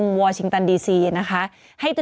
มีสารตั้งต้นเนี่ยคือยาเคเนี่ยใช่ไหมคะ